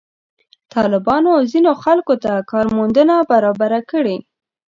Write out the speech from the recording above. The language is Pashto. طالبانو ځینو خلکو ته کار موندنه برابره کړې.